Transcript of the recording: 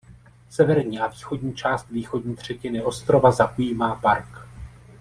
Severní a východní část východní třetiny ostrova zaujímá park.